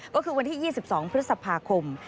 ก็คือวันที่๒๒พฤษภาคม